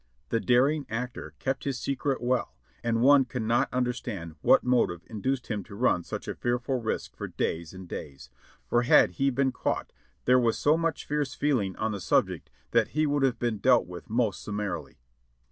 The daring actor kept his secret well, and one cannot understand what motive induced him to run such a fearful risk for days and days ; for had he been caught there was so much fierce feeling on the subject that he would have been dealt with most summarily.